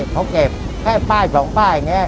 เขาเก็บแค่ป้าย๒ป้ายอย่างนี้